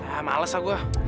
ya males lah gua